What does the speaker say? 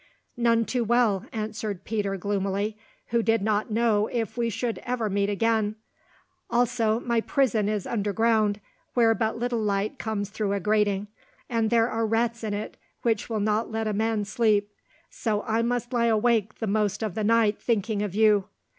"None too well," answered Peter gloomily, "who did not know if we should ever meet again; also, my prison is underground, where but little light comes through a grating, and there are rats in it which will not let a man sleep, so I must lie awake the most of the night thinking of you.